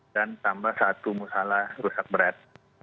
dan tambah satu musalah rusak berat